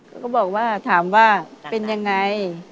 ก็บอกว่าถามว่าเป็นยังไง